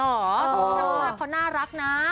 เออถ้าเขาน่ารักนะ